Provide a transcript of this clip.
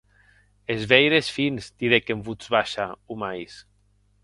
Es veires fins!, didec en votz baisha Homais.